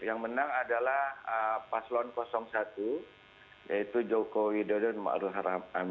yang menang adalah paslon satu yaitu joko widodo dan ma'ruf haram